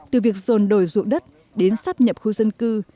từ việc dồn đổi rụ đất đến sắp nhập khu dân cư